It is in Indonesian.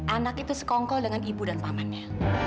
anak itu sekongkol dengan ibu dan pamannya